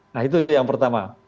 nah itu yang pertama